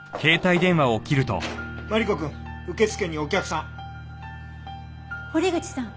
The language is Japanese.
マリコくん受付にお客さん。